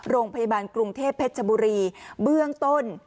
โรงพยาบาลกรุงเทพเพชรชบุรีเบื้องต้น